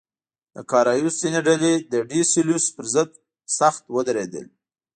د کارایوس ځینې ډلې د ډي سلوس پر ضد سخت ودرېدل.